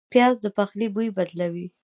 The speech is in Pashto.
پیاز د پخلي بوی بدلوي